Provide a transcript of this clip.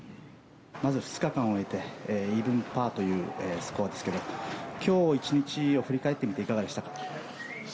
まず２日間を終えてイーブンパーというスコアですが今日１日を振り返ってみていかがでしたか？